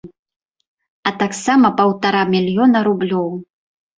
А таксама паўтара мільёна рублёў.